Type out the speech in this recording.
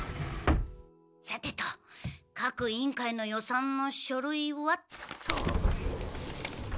さてと各委員会の予算の書類はっと。